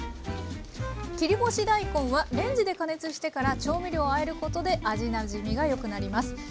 切り干し大根はレンジで加熱してから調味料をあえることで味なじみがよくなります。